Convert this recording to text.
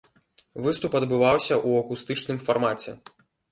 Выступ адбываўся ў акустычным фармаце.